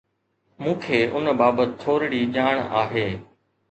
مون کي ان بابت ٿورڙي ڄاڻ آهي.